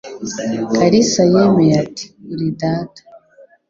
Kalisa yemeye ati: "Uri data".